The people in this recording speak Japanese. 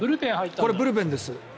これ、ブルペンです。